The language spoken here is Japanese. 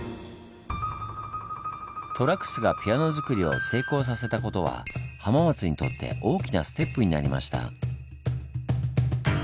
寅楠がピアノづくりを成功させたことは浜松にとって大きなステップになりました。